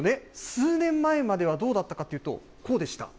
数年前まではどうだったかというと、こうでした。